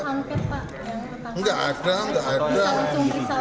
pak angker yang pertama